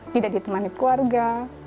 tidak ditemani keluarga